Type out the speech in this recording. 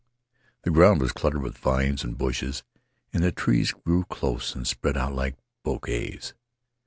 The ground was cluttered with vines and bushes, and the trees grew close and spread out like bouquets.